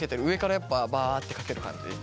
上からやっぱバッてかける感じ？